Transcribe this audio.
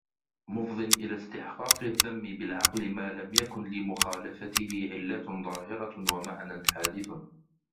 مُفْضٍ إلَى اسْتِحْقَاقِ الذَّمِّ بِالْعَقْلِ مَا لَمْ يَكُنْ لِمُخَالَفَتِهِ عِلَّةٌ ظَاهِرَةٌ وَمَعْنًى حَادِثٌ